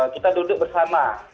kita duduk bersama